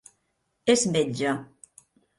És metge.